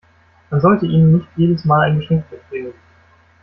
Man sollte ihnen nicht jedes Mal ein Geschenk mitbringen.